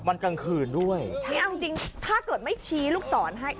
มันกลางคืนด้วยใช่เอาจริงถ้าเกิดไม่ชี้ลูกศรให้